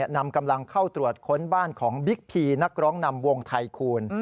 นำกำลังเข้าตรวจค้นบ้านของบิ๊กพีนักร้องนำวงไทคูณ